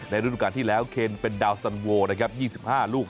ฤดูการที่แล้วเคนเป็นดาวสันโวนะครับ๒๕ลูก